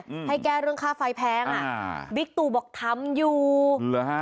อืมให้แก้เรื่องค่าไฟแพงอ่ะอ่าบิ๊กตู่บอกทำอยู่เหรอฮะ